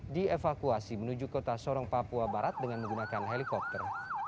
dievakuasi menuju kota sorong papua barat dengan menggunakan helikopter